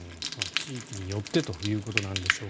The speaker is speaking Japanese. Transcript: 地域によってということなんでしょう。